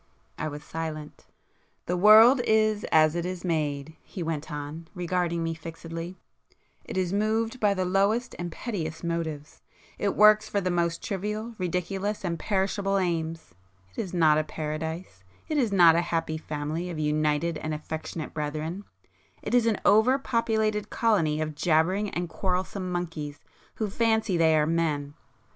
I was silent. "The world is as it is made,"—he went on, regarding me fixedly—"It is moved by the lowest and pettiest motives,—it works for the most trivial, ridiculous and perishable aims. It is not a paradise. It is not a happy family of united and [p 171] affectionate brethren. It is an over populated colony of jabbering and quarrelsome monkeys, who fancy they are men.